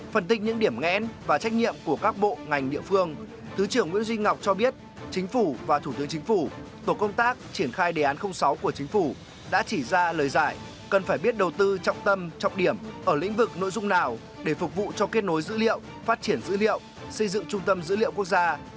phân tích những điểm ngẽn và trách nhiệm của các bộ ngành địa phương thứ trưởng nguyễn duy ngọc cho biết chính phủ và thủ tướng chính phủ tổ công tác triển khai đề án sáu của chính phủ đã chỉ ra lời giải cần phải biết đầu tư trọng tâm trọng điểm ở lĩnh vực nội dung nào để phục vụ cho kết nối dữ liệu phát triển dữ liệu xây dựng trung tâm dữ liệu quốc gia